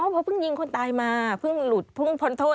เพราะเพิ่งยิงคนตายมาเพิ่งหลุดเพิ่งพ้นโทษ